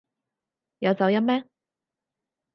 有走音咩？